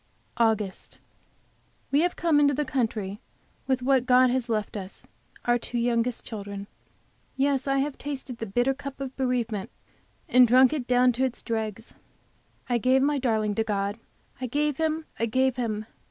AUGUST. We have come into the country with what God has left us, our two youngest children. Yes, I have tasted the bitter cup of bereavement, and drunk it down to its dregs. I gave my darling to God, I gave him, I gave him!